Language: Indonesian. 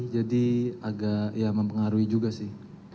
agak ya mempengaruhi juga sih